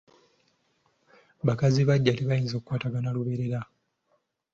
Bakazi baggya tebayinza kukwatagana lubeerera.